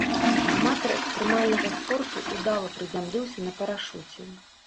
Аматар экстрэмальнага спорту ўдала прызямліўся на парашуце.